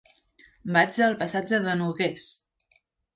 Vaig al passatge de Nogués.